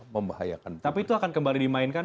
membahayakan tapi itu akan kembali dimainkan